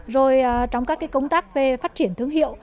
rồi trong các công tác về phát triển thương hiệu